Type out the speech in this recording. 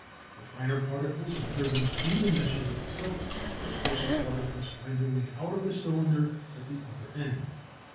The finer particles are driven through the meshes of the silk, the coarser particles find their way out of the cylinder at the other end.